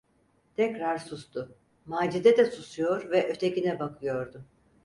Tekrar sustu, Macide de susuyor ve ötekine bakıyordu.